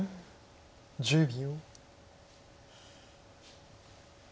１０秒。